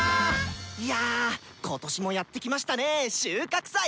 いや今年もやって来ましたね収穫祭！